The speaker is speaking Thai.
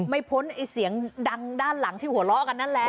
พ้นไอ้เสียงดังด้านหลังที่หัวเราะกันนั่นแหละ